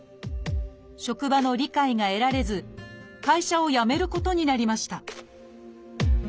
職場の理解が得られず会社を辞めることになりました。